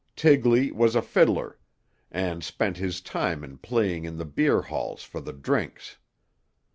Tigley was a fiddler. And spent his time in playing in the beer halls for the drinks.